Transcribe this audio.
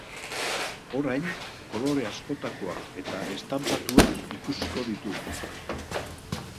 Orain, kolore askotakoak eta estanpatuak ikusiko ditugu.